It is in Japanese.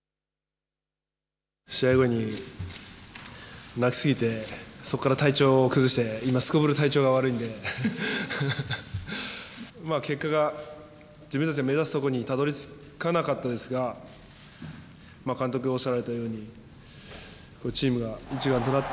試合後に泣きすぎて、そこから体調を崩して今、すごぶる体調が悪いんで結果が自分たちが目指すところにたどりつかなかったですが監督、おっしゃられたようにチームが一丸となって